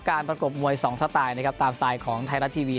ประกบมวย๒สไตล์นะครับตามสไตล์ของไทยรัฐทีวี